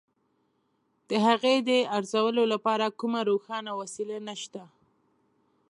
د هغې د ارزولو لپاره کومه روښانه وسیله نشته.